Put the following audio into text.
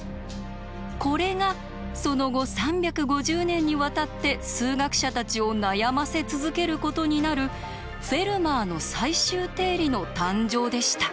これがその後３５０年にわたって数学者たちを悩ませ続けることになる「フェルマーの最終定理」の誕生でした。